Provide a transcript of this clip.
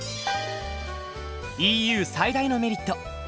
ＥＵ最大のメリット